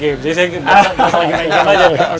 jadi saya bisa lagi main game aja